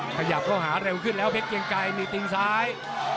ขยับเข้าหาเร็วขึ้นแล้วเพชรเกียงไกรมีตีนซ้าย